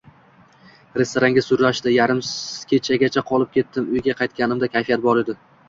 restoranga sudrashdi. Yarim kechagacha qolib ketdim. Uyga qaytganimda kayfim bor edi.